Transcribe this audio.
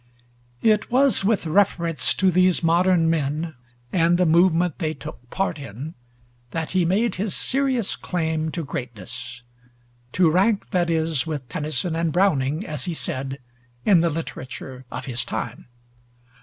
It was with reference to these modern men and the movement they took part in, that he made his serious claim to greatness; to rank, that is, with Tennyson and Browning, as he said, in the literature of his time.